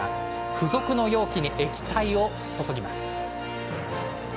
付属の容器に液体を注ぎます。